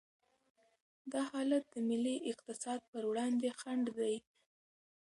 دا حالت د ملي اقتصاد پر وړاندې خنډ دی.